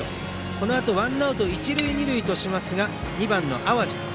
このあとワンアウト一塁二塁としますが２番の淡路。